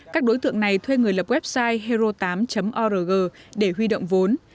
các đối tượng này thuê người lập website hero tám org để huy động vốn